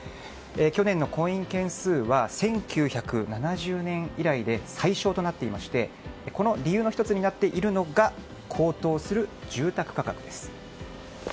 去年の婚姻件数は１９７０年以来で最少でしてこの理由の１つになっているのが高騰する住宅価格です。